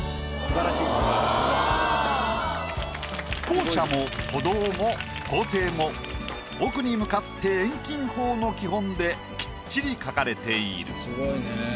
校舎も舗道も校庭も奥に向かって遠近法の基本できっちり描かれている。